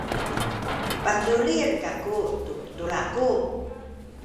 paculil kaku tu tulaku.